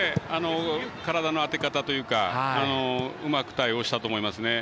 体の当て方というかうまく対応したと思います。